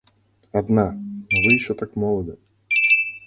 – Одна! Но вы так еще молоды.